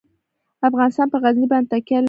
افغانستان په غزني باندې تکیه لري.